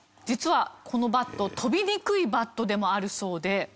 実はこのバット飛びにくいバットでもあるそうで。